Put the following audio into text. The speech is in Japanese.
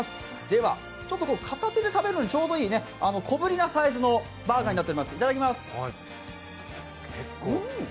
では、片手で食べるのにちょうどいい小ぶりなサイズのバーガーになってます。